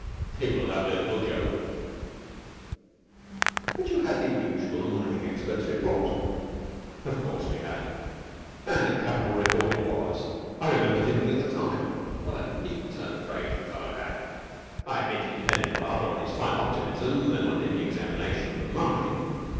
"They will have their little joke." "But you had the usual mining expert's report." "Of course we had. And a capital report it was. I remember thinking at the time what a neat turn of phrase the fellow had. I admit he depended rather on his fine optimism than on any examination of the mine.